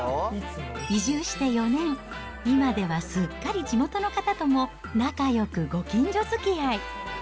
移住して４年、今ではすっかり地元の方とも仲よくご近所づきあい。